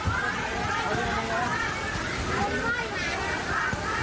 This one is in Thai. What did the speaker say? ไหนล่ะตรงนี้ตรงไหนล่ะ